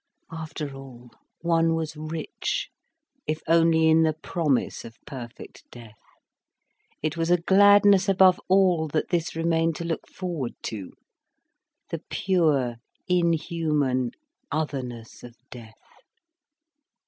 After all, one was rich, if only in the promise of perfect death. It was a gladness above all, that this remained to look forward to, the pure inhuman otherness of death.